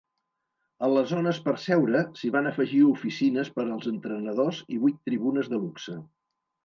A les zones per seure s'hi van afegir oficines per als entrenadors i vuit tribunes de luxe.